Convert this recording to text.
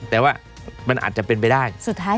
แต่ว่ามันอาจจะเป็นแบบไปได้